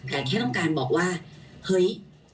แต่แค่ต้องการบอกว่าเฮ้ย